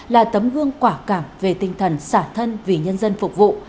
là tấm gương quả cảm về tinh thần xả thân vì nhân dân phục vụ